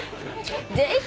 ぜひ。